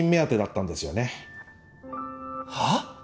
はあ？